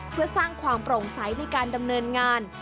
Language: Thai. เพื่อสร้างความโปร่งใสในการดำเนินงาน